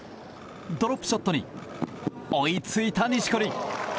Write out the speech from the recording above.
ドロップショットに追いついた錦織！